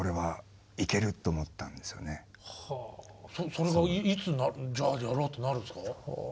それがいつじゃあやろうってなるんですか？